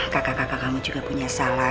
kakak kakak kamu juga punya salah